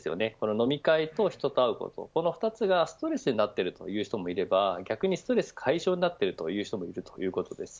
飲み会と人と会うことこの２つがストレスになっているという人もいれば逆にストレス解消になっているという人もいるということです。